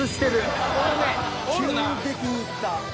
急激にいった。